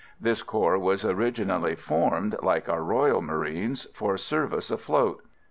This corps was originally formed, like our Royal Marines, for service afloat.